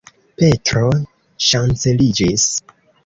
Petro ŝanceliĝis.